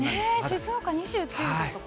静岡２９度とか。